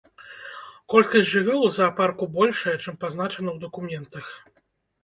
Колькасць жывёл у заапарку большая, чым пазначана ў дакументах.